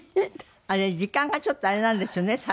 あれ時間がちょっとあれなんですよね